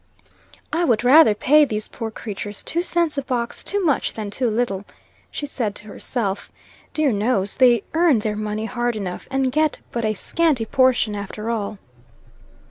"I would rather pay these poor creatures two cents a box too much than too little," she said to herself "dear knows, they earn their money hard enough, and get but a scanty portion after all."